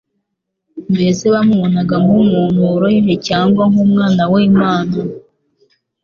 mbese bamubonaga nk'umuntu woroheje cyangwa nk'Umwana w'Imana '?